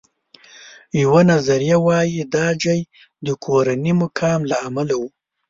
یوه نظریه وایي دا ځای د کورني مقام له امله و.